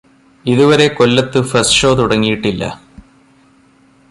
ഇതുവരെ കൊല്ലത്ത് first show തുടങ്ങിയിട്ടില്ല